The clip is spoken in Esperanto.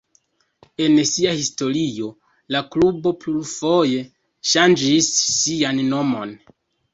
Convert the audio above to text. En sia historio la klubo plurfoje ŝanĝis sian nomon.